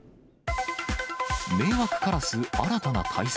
迷惑カラス、新たな対策。